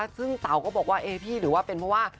ซึ่งเต๋าก็บอกว่าเอ๊พี่หรือว่าเป็นเพราะว่า